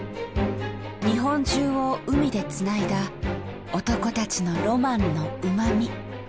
日本中を海で繋いだ男たちのロマンの旨み。